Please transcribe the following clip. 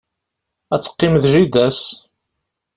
Ad teqqim d jida-s.